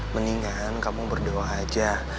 mendingan kamu berdoa aja